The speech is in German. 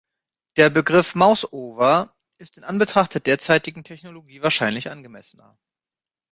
Der Begriff Mouseover ist in Anbetracht der derzeitigen Technologie wahrscheinlich angemessener.